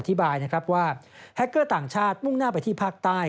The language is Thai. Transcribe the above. อธิบายนะครับว่าแฮคเกอร์ต่างชาติมุ่งหน้าไปที่ภาคใต้